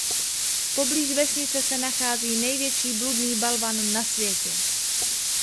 Poblíž vesnice se nachází největší bludný balvan na světě.